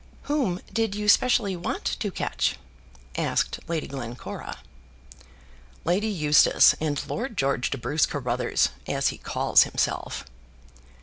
"Whom did you specially want to catch?" asked Lady Glencora. "Lady Eustace, and Lord George de Bruce Carruthers, as he calls himself."